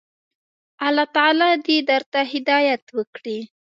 الله تعالی دي درته هدايت وکړي.